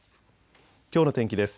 きょうの天気です。